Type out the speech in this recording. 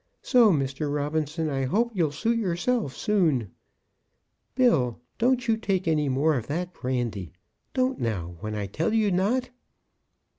So, Mr. Robinson, I hope you'll suit yourself soon. Bill, don't you take any more of that brandy. Don't now, when I tell you not."